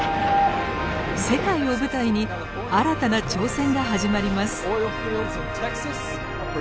世界を舞台に新たな挑戦が始まります。